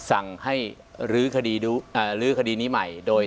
อันดับที่สุดท้าย